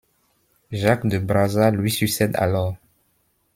Jacques de Brazza lui succède alors.